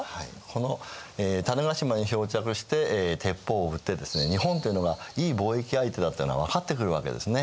この種子島に漂着して鉄砲を売ってですね日本ていうのがいい貿易相手だっていうのは分かってくるわけですね。